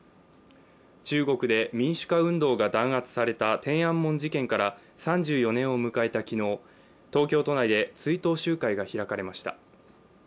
中国で民主化運動が弾圧された天安門事件から３４年を迎えた昨日、東京都内で追悼集会が開かれました。